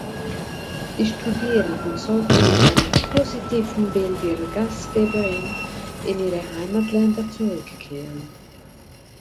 Die Studierenden sollten mit einem positiven Bild ihrer Gastgeberin in ihre Heimatländer zurückkehren.